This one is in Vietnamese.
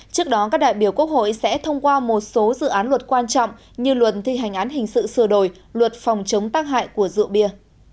trước đó các đại biểu quốc hội sẽ thông qua một số dự án luật quan trọng như luật thi hành án hình sự sửa đổi luật phòng chống tác hại của rượu bia